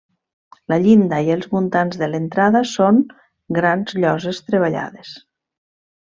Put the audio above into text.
La llinda i els muntants de l'entrada són grans lloses treballades.